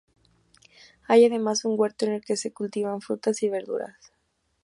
Hay además un huerto en el que se cultivan frutas y verduras.